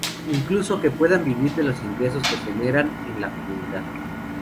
Incluso, que puedan vivir de los ingresos que generan en la comunidad.